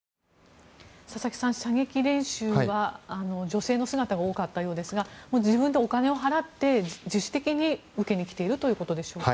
佐々木さん、射撃練習は女性の姿が多かったようですが自分でお金を払って自主的に受けに来ているということでしょうか。